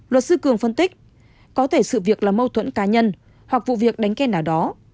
luật sư cường phân tích có thể sự việc là mâu thuẫn cá nhân hoặc vụ việc đánh ken nào đó